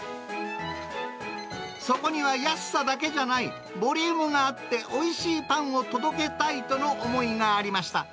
そこには安さだけじゃない、ボリュームがあって、おいしいパンを届けたいとの思いがありました。